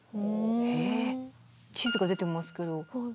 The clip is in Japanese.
地図が出てますけど。